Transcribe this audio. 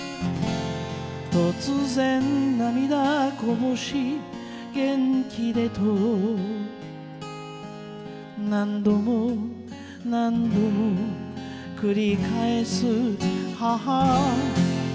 「突然涙こぼし元気でと何度も何度もくりかえす母」